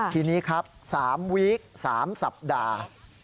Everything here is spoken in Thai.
ทีนี้ครับ๓วีค๓สัปดาห์